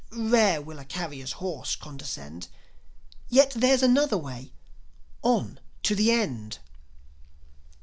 Rare will a carrier's horse condescend. Yet there's another way. On to the end!